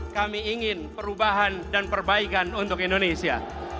kami ingin perubahan dan perbaikan untuk indonesia